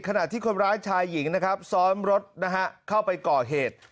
ขณะที่คนร้ายชายหญิงซ้อมรถเข้าไปก่อเหตุ